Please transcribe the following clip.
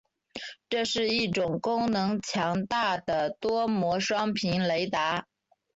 这是一种功能强大的多模双频雷达。